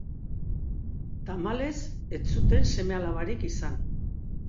Tamalez, ez zuten seme-alabarik izan.